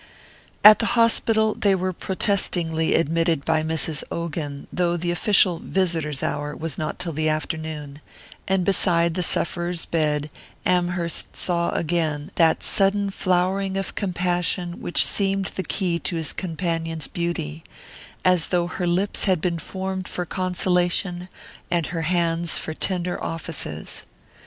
At the hospital they were protestingly admitted by Mrs. Ogan, though the official "visitors' hour" was not till the afternoon; and beside the sufferer's bed, Amherst saw again that sudden flowering of compassion which seemed the key to his companion's beauty: as though her lips had been formed for consolation and her hands for tender offices.